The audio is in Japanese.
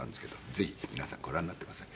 ぜひ皆さんご覧になってください。